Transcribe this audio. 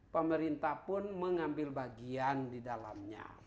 pemerintah pun mengambil bagian di dalamnya